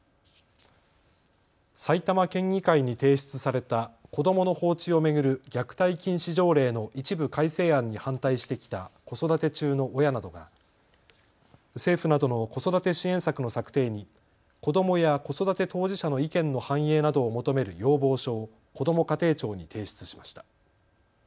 埼玉県議会に提出された子どもの放置を巡る虐待禁止条例の一部改正案に反対してきた子育て中の親などが政府などの子育て支援策の策定に子どもや子育て当事者の意見の反映などを求める要望書をこども家庭庁に提出しました。